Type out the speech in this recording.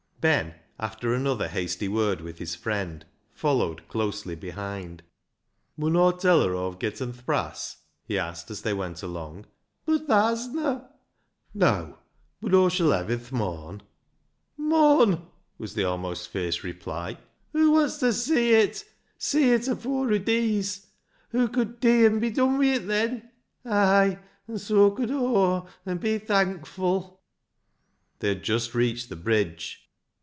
Ben, after another hasty word with his friend, followed closely behind. " Mun Aw tell her Aw've getten th' brass ?" he asked as they went along. " Bud thaa hasna." " Neaw, bud Aw shall hev' i' th' morn." " Morn !" was the almost fierce reply ;" hoo wants ta see it. See it afore hoo dees. Hoo could dee an' be dun wi' it, then. Ay ! an' soa could Aw, an' be thankful." They had just reached the bridge.